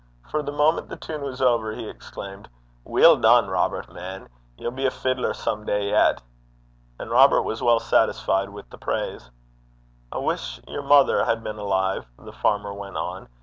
For, the moment the tune was over, he exclaimed, 'Weel dune, Robert man! ye'll be a fiddler some day yet!' And Robert was well satisfied with the praise. 'I wish yer mother had been alive,' the farmer went on.